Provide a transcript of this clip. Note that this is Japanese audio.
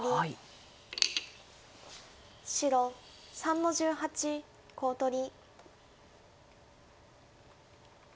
白３の十八コウ取り。